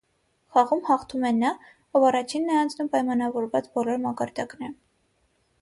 Խաղում խաղթում է նա, ով առաջինն է անցնում պայմանավորված բոլոր մակարդակները։